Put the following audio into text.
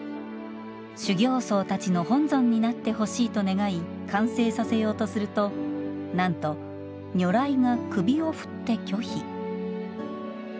修行僧たちの本尊になってほしいと願い完成させようとするとなんと如来が首を振って拒否。